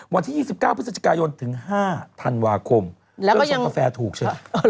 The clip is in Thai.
วันที่๒๙พฤศจิกายนถึง๕ธันวาคมเริ่มส่งกาแฟถูกใช่ไหม